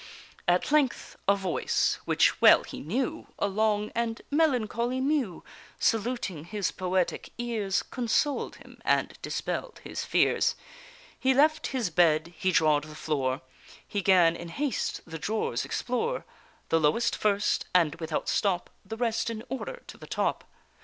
At length a voice which well he knew, A long and melancholy mew, Saluting his poetic ears, Consoled him and dispell'd his fears: He left his bed, he trod the floor, He 'gan in haste the drawers explore, The lowest first, and without stop The rest in order to the top.